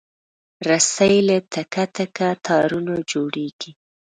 رسۍ له تکه تکه تارونو جوړېږي.